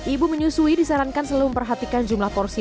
ibu menyusui disarankan selalu memperhatikan jumlah porsi